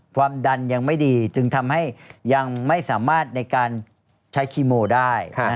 ความดันยังไม่ดีจึงทำให้ยังไม่สามารถในการใช้คีโมได้